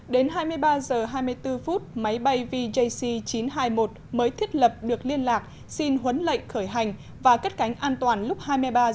đến hai mươi ba h hai mươi bốn phút máy bay vjc chín trăm hai mươi một mới thiết lập được liên lạc xin huấn lệnh khởi hành và cất cánh an toàn lúc hai mươi ba h